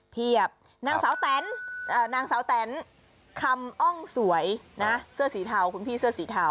เพียบนางสาวแตนนางสาวแตนคำอ้องสวยนะเสื้อสีเทาคุณพี่เสื้อสีเทา